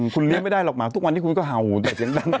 คุณเลี้ยงไม่ได้หรอกหมาทุกวันนี้คุณก็เห่าแต่เสียงดัง